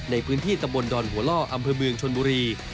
ในพื้นที่ตำบลดอนหัวล่ออำเภอเมืองชนบุรี